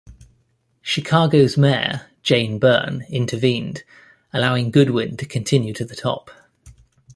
Chicago's Mayor, Jane Byrne, intervened, allowing Goodwin to continue to the top.